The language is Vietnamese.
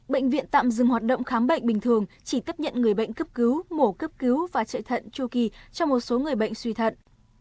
bệnh viện tạm dừng hoạt động khám bệnh bình thường chỉ tiếp nhận người bệnh cấp cứu mổ cấp cứu và chạy thận chu kỳ cho một số người bệnh suy thận